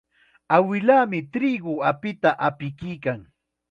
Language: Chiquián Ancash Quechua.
Awilaami triqu apita apikuykan.